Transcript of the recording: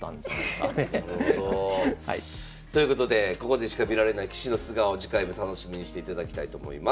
なるほど。ということでここでしか見られない棋士の素顔次回も楽しみにしていただきたいと思います。